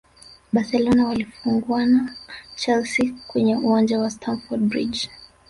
barcelona walifungwana chelsea kwenye uwanja wa stamford bridge